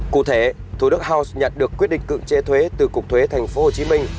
cụ thể thủ đức house nhận được quyết định cưỡng chế thuế từ cục thuế thành phố hồ chí minh